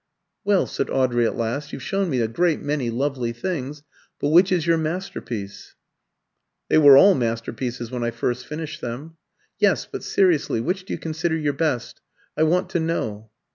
"Well," said Audrey at last, "you've shown me a great many lovely things, but which is your masterpiece?" "They were all masterpieces when I first finished them." "Yes; but seriously, which do you consider your best? I want to know."